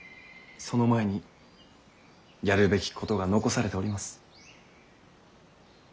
その前にやるべきことが残されております。